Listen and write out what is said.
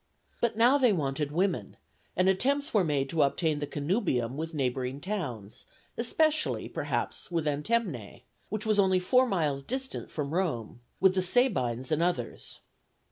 But now they wanted women, and attempts were made to obtain the connubium with neighboring towns, especially perhaps with Antemnæ, which was only four miles distant from Rome, with the Sabines and others.